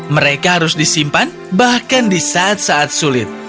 mereka harus disimpan bahkan di saat saat sulit